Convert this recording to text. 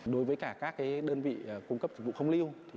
đối với cả các đơn vị cung cấp dịch vụ không lưu